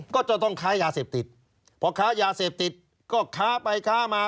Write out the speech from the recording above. ก็จะต้องขายยาเสพติดเพราะขายยาเสพติดก็ข้าไปข้ามา